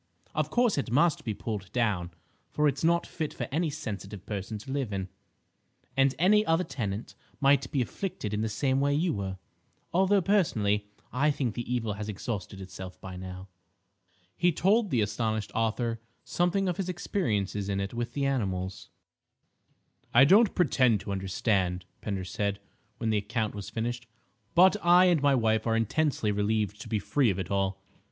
Of course it must be pulled down, for it's not fit for any sensitive person to live in, and any other tenant might be afflicted in the same way you were. Although, personally, I think the evil has exhausted itself by now." He told the astonished author something of his experiences in it with the animals. "I don't pretend to understand," Pender said, when the account was finished, "but I and my wife are intensely relieved to be free of it all.